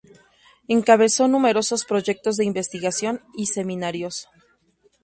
Encabezó numerosos proyectos de investigación y seminarios.